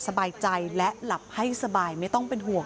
คุณยายบอกว่ารู้สึกเหมือนใครมายืนอยู่ข้างหลัง